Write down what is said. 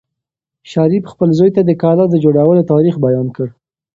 شریف خپل زوی ته د کلا د جوړولو تاریخ بیان کړ.